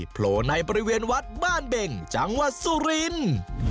โผล่ในบริเวณวัดบ้านเบ่งจังหวัดสุรินทร์